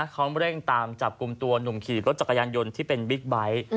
เขาเร่งตามจับกลุ่มตัวหนุ่มขี่รถจักรยานยนต์ที่เป็นบิ๊กไบท์